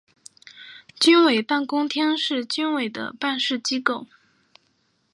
军委办公厅是军委的办事机构。